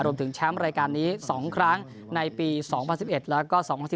รวมถึงแชมป์รายการนี้๒ครั้งในปี๒๐๑๑แล้วก็๒๐๑๙